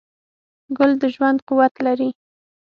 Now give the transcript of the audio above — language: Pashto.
ګل د ژوند قوت لري.